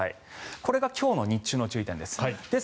これが今日日中の注意点です。